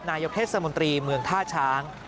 นายกเทศมนตรีเมืองท่าช้าง